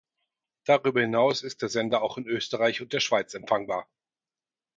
Darüber hinaus ist der Sender auch in Österreich und der Schweiz empfangbar.